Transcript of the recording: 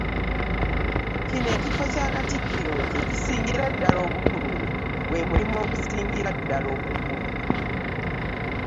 Kino ekifo kya Katikkiro kye kisingira ddala obukulu, gwe mulimu ogusingira ddala obukulu.